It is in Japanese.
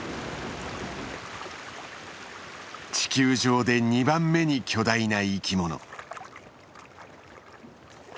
地球上で２番目に巨大な生き物。